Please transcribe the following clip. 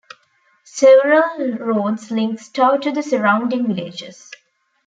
Several roads link Stow to the surrounding villages.